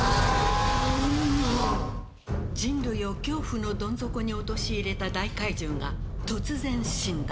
人類を恐怖のどん底に陥れた大怪獣が突然死んだ。